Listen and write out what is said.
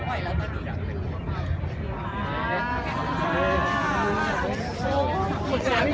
แม่กับผู้วิทยาลัย